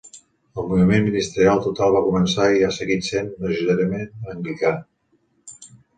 El moviment ministerial total va començar i ha seguit sent majoritàriament anglicà.